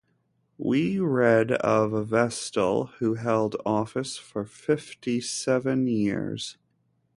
We read of a Vestal who held office for fifty-seven years.